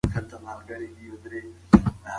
د کیبورډ بټنې د ده تر ګوتو لاندې په چټکۍ وتړکېدې.